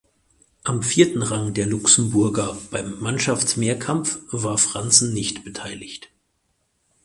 Am vierten Rang der Luxemburger beim Mannschaftsmehrkampf war Frantzen nicht beteiligt.